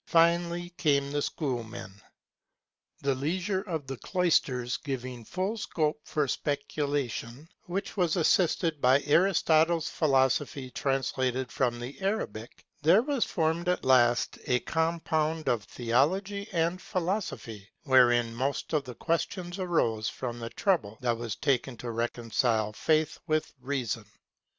Finally came the Schoolmen. The leisure of the cloisters giving full scope for speculation, which was assisted by Aristotle's philosophy translated from the Arabic, there was formed at last a compound of theology and philosophy wherein most of the questions arose from the trouble that was taken to reconcile faith with reason.